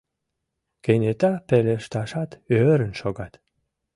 Кенета пелешташат ӧрын шогат.